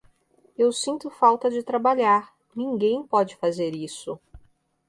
Eu sinto falta de trabalhar, ninguém pode fazer isso.